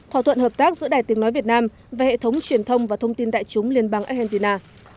thỏa thuận hợp tác giữa đài tiếng nói việt nam và hệ thống truyền thông và thông tin đại chúng liên bang argentina